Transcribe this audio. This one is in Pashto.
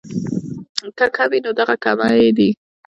کۀ کم وي نو دغه کمے دې